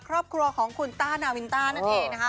ครอบครัวของคุณต้านาวินต้านั่นเองนะคะ